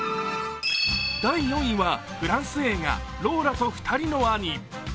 第４位はフランス映画「ローラとふたりの兄」。